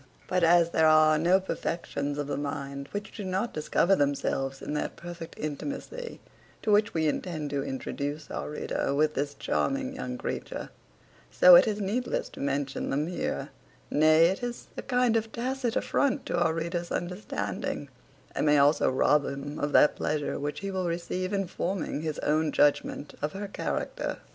But as there are no perfections of the mind which do not discover themselves in that perfect intimacy to which we intend to introduce our reader with this charming young creature, so it is needless to mention them here: nay, it is a kind of tacit affront to our reader's understanding, and may also rob him of that pleasure which he will receive in forming his own judgment of her character.